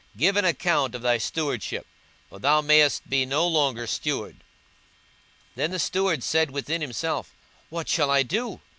give an account of thy stewardship; for thou mayest be no longer steward. 42:016:003 Then the steward said within himself, What shall I do?